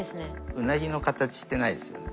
ウナギの形してないですよね。